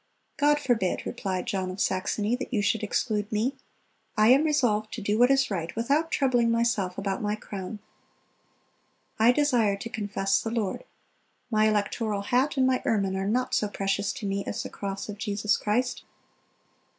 "God forbid," replied John of Saxony, "that you should exclude me. I am resolved to do what is right, without troubling myself about my crown. I desire to confess the Lord. My electoral hat and my ermine are not so precious to me as the cross of Jesus Christ."